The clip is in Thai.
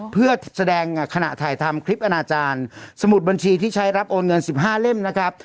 เพื่อแสดงขณะถ่ายทำคลิปอนาจารย์สมุดบัญชีที่ใช้รับโอนเงิน๑๕เล่มนะครับ